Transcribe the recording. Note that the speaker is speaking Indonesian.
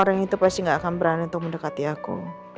orang itu pasti gak akan berani untuk mendekati aku